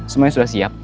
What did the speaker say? semuanya sudah siap